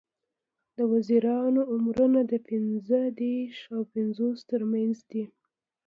د وزیرانو عمرونه د پینځه دیرش او پینځوس تر منځ دي.